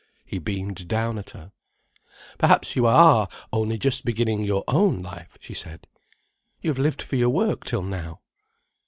He beamed down at her. "Perhaps you are only just beginning your own life," she said. "You have lived for your work till now."